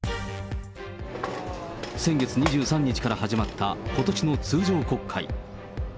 先月２３日から始まったことしの通常国会。